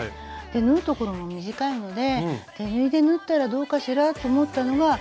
縫う所も短いので手縫いで縫ったらどうかしらと思ったのがきっかけです。